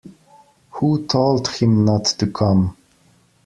Who told him not to come?